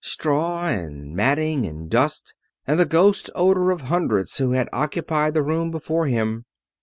straw, and matting, and dust, and the ghost odor of hundreds who had occupied the room before him.